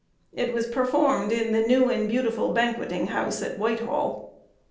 It was performed in the new and beautiful banquetting house, at Whitehall.